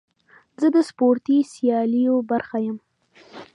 زه د سپورتي سیالیو برخه یم.